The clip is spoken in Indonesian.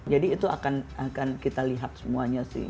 jadi itu akan kita lihat semuanya sih